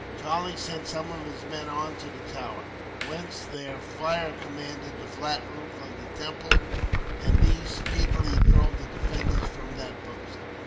Charlie sent some of his men on to the tower, whence their fire commanded the flat roof of the temple, and these speedily drove the defenders from that post.